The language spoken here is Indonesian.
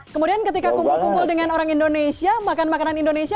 kemudian ketika kumpul kumpul dengan orang indonesia makan makanan indonesia